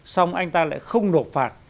xong anh ta lại không nộp phạt